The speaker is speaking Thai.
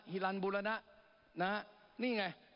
ฮันบุรณะนะฮะนี่ไง